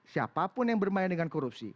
siapapun yang bermain dengan korupsi